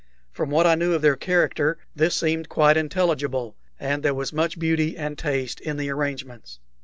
From what I knew of their character this seemed quite intelligible, and there was much beauty and taste in the arrangements.